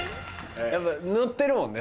やっぱノッてるもんね